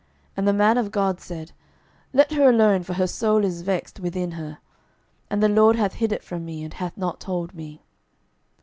And the man of God said, Let her alone; for her soul is vexed within her: and the LORD hath hid it from me, and hath not told me.